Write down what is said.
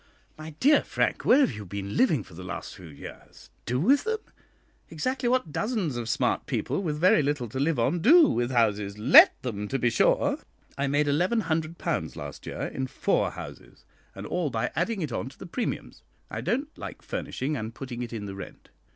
"My dear Frank, where have you been living for the last few years? Do with them? Exactly what dozens of smart people, with very little to live on, do with houses let them, to be sure. I made £1100 last year in four houses, and all by adding it on to the premiums. I don't like furnishing and putting it in the rent.